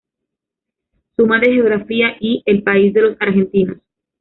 Suma de Geografía" y "El País de los Argentinos".